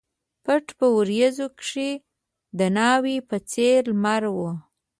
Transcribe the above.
پټ په وریځو کښي د ناوي په څېر لمر و